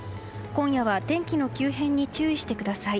今夜は天気の急変に注意してください。